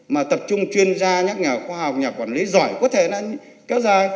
mà tập trung chuyên gia nhà khoa học nhà quản lý giỏi có thể kéo dài